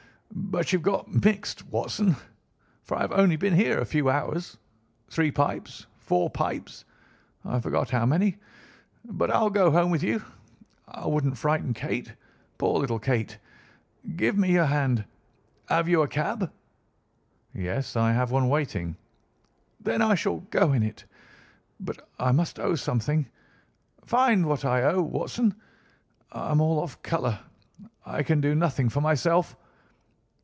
But you've got mixed, Watson, for I have only been here a few hours, three pipes, four pipes—I forget how many. But I'll go home with you. I wouldn't frighten Kate—poor little Kate. Give me your hand! Have you a cab?" "Yes, I have one waiting." "Then I shall go in it. But I must owe something. Find what I owe, Watson. I am all off colour. I can do nothing for myself."